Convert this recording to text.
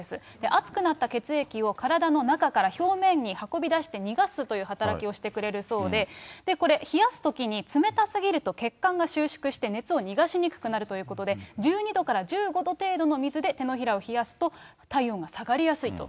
熱くなった血液を、体の中から表面に運び出して逃がすという働きをしてくれるそうで、これ、冷やすときに、冷たすぎると血管が収縮して、熱を逃がしにくくなるということで、１２度から１５度程度の水で手のひらを冷やすと、体温が下がりやすいと。